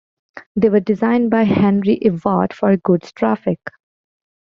They were designed by Henry Ivatt for goods traffic.